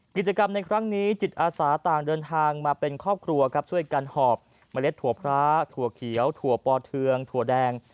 กิจกรรมในครั้งนี้จิตอาสาต่างเดินทางมาเป็นครอบครัวครับช่วยกันหอบเมล็ดถั่วพระถั่วเขียวถั่วปอเทืองถั่วแดง